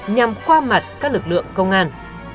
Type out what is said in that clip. nhằm khoa mặt các lực lượng công an